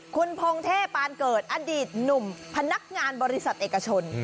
คุณพงเทพปานเกิดอดีตหนุ่มพนักงานบริษัทเอกชน